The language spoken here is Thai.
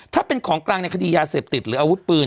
ถ้าเป็นของกลางในคดียาเสพติดหรืออาวุธปืน